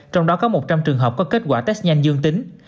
trong đó có một trăm linh trường hợp có kết quả test nhanh dương tính